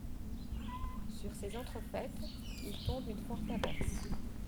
Sur ces entrefaites, il tombe une forte averse.